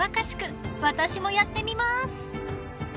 ［私もやってみます！］